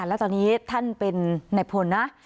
แล้วตอนนี้ท่านเป็นในพลนะ